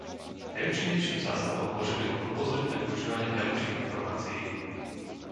Najúčinnejším zásahom môže byť len obozretné využívanie najlepších informácií.